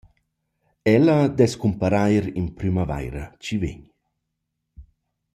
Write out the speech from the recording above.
Ella dess cumparair in prümavaira chi vain.